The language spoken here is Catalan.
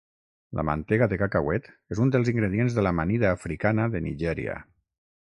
La mantega de cacauet és un dels ingredients de l"amanida africana de Nigèria.